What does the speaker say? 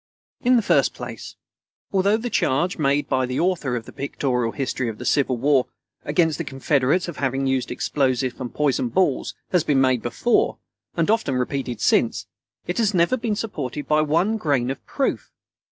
In the first place, although the charge made by the author of the Pictorial History of the Civil War against the Confederates of having used explosive and poisoned balls, has been made before, and often repeated since, it has never been supported by one grain of proof.